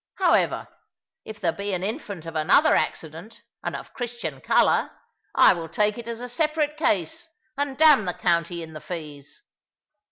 However, if there be an infant of another accident, and of Christian colour, I will take it as a separate case, and damn the county in the fees."